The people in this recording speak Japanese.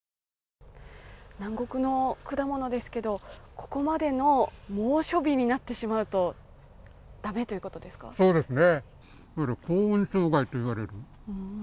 南国の果物ですけど、ここまでの猛暑日になってしまうとだめということですか？